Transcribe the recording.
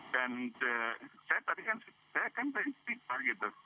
dan saya tadi kan saya kan beristirahat gitu